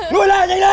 lùi lại nhanh lên lùi